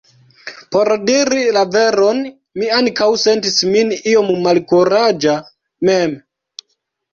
Por diri la veron, mi ankaŭ sentis min iom malkuraĝa mem.